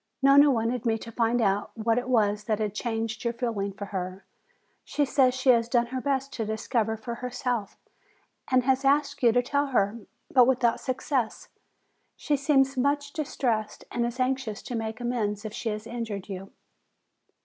Nona wanted me to find out what it was that had changed your feeling for her. She says she has done her best to discover for herself and has asked you to tell her, but without success. She seems much distressed and is anxious to make amends if she has injured you."